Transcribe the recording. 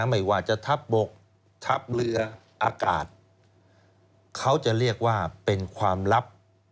ไม่ว่าจะทัพบกทัพเรืออากาศเขาจะเรียกว่าเป็นความลับ